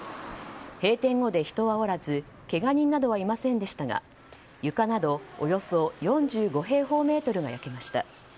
閉店後で人はおらずけが人などはいませんでしたが床などおよそ４５平方メートルが焼けました。